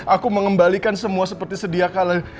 aku mengembalikan semua seperti sedia kalah